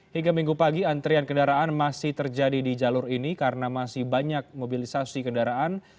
hingga minggu pagi antrian kendaraan masih terjadi di jalur ini karena masih banyak mobilisasi kendaraan